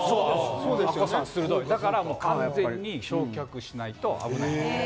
アッコさん鋭い、だから完全に焼却しないと危ない。